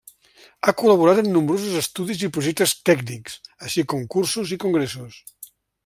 Ha col·laborat en nombrosos estudis i projectes tècnics, així com cursos i congressos.